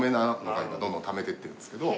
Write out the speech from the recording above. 中に今どんどんためていってるんですけど。